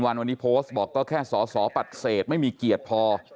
วันวันนี้โพสต์บอกก็แค่สอสอปฏิเสธไม่มีเกียรติพอ